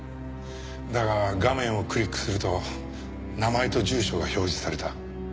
だが画面をクリックすると名前と住所が表示された。